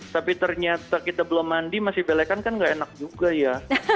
tapi ternyata kita belum mandi masih belekan kan gak enak juga ya